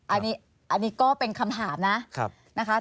อันนี้ก็เป็นคำถามนะนะคะ